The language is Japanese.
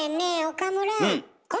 岡村。